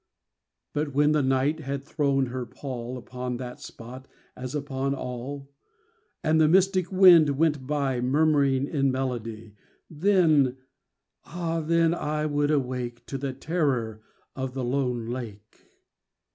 But when the Night had thrown her pall Upon that spot, as upon all, And the mystic wind went by Murmuring in melody— Then—ah then I would awake To the terror of the lone lake.